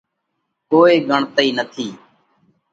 ڪوئي ڳڻتئِي نٿِي۔